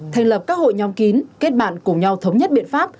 thành lập các hội nhóm kín kết bạn cùng nhau thống nhất biện pháp